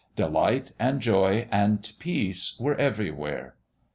Delight and Joy and Peace were everywhere.